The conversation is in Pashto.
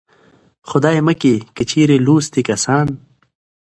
خدايه مکې که چېرې لوستي کسان